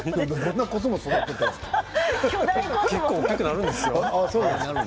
結構、大きくなるんですよ。